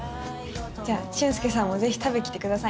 じゃあシュンスケさんもぜひ食べに来てくださいね。